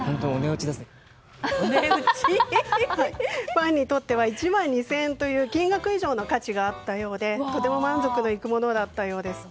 ファンにとっては１万２０００円という金額以上の価値があったようでとても満足のいくものだったようです。